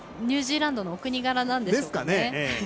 ニュージーランドのお国柄なんでしょうかね。